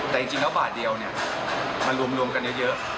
แต่จริงแล้วบาทเดียวเนี่ยมันรวมกันเยอะ